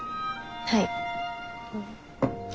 はい。